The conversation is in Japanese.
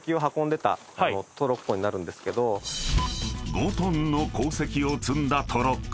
［５ｔの鉱石を積んだトロッコ］